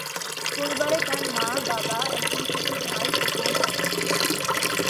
পরিবারে তার মা, বাবা, একজন ছোট ভাই ও বোন আছেন।